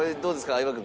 相葉君。